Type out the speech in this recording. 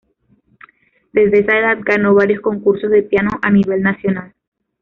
Desde esa edad ganó varios concursos de piano a nivel nacional.